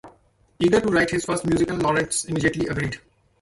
Eager to write his first musical, Laurents immediately agreed.